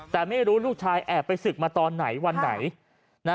แต่ไม่รู้ลูกชายแอบไปศึกมาตอนไหนวันไหน